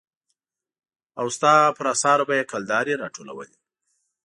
او ستا پر اثارو به يې کلدارې را ټولولې.